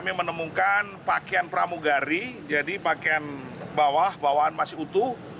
kami menemukan pakaian pramugari jadi pakaian bawah bawahan masih utuh